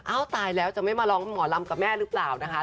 ตายแล้วจะไม่มาร้องหมอลำกับแม่หรือเปล่านะคะ